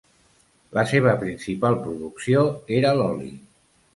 La seva principal producció era l'oli.